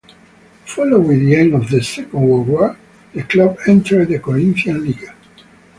Following the end of the Second World War the club entered the Corinthian League.